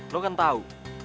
lo kan tau